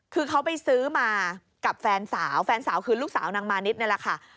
คือเขาไปซื้อมากับแฟนสาวแฟนสาวคือลูกสาวนางมานิดนี่แหละค่ะ